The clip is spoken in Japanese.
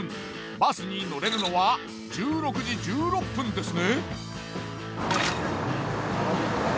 バスに乗れるのは１６時１６分ですね。